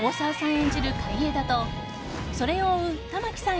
演じる海江田とそれを追う玉木さん